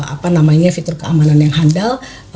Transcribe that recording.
apa namanya fitur keamanan yang handal